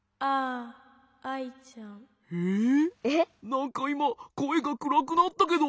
なんかいまこえがくらくなったけど。